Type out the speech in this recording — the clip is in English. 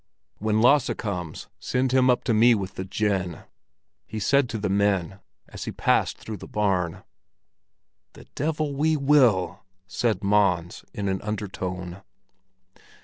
"When Lasse comes, send him up to me with the gin!" he said to the men as he passed through the barn. "The devil we will!" said Mons, in an undertone.